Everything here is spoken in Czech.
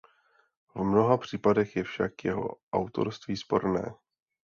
V mnoha případech je však jeho autorství sporné.